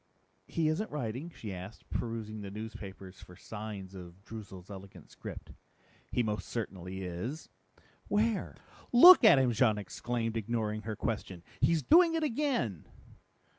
"He isn't writing?" she asked, perusing the newspapers for signs of Droozle's elegant script. "He most certainly is." "Where?" "Look at him!" Jean exclaimed, ignoring her question. "He's doing it again!"